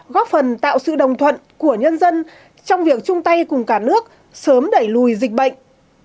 góp phần tạo sự đồng thuận của nhân dân trong việc chung tay cùng cả nước sớm đẩy lùi dịch bệnh